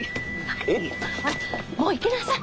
ほらもう行きなさい。